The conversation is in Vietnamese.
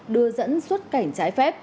đưa dẫn xuất cảnh